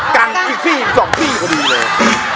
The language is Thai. ตั้งอีกสี่สองสี่พอดีเลย